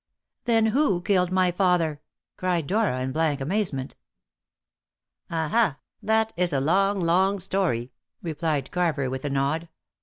"Then who killed my father?" cried Dora in blank amazement. "Aha! that is a long, long story," replied Carver with a nod.